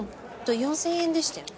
４，０００円でしたよね？